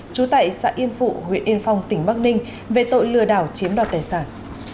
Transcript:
trú tại xã yên phụ huyện yên phong tỉnh bắc ninh về tội lừa đảo chiếm đoạt tài sản